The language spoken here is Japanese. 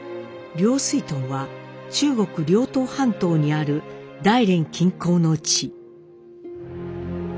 凌水屯は中国遼東半島にある大連近郊の地。